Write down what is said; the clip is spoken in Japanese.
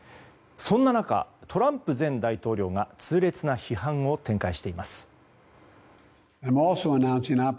そんな中、トランプ前大統領が痛烈な批判を展開しています。